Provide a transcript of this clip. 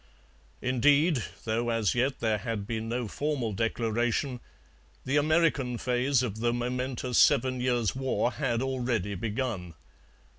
Indeed, though as yet there had been no formal declaration, the American phase of the momentous Seven Years' War had already begun.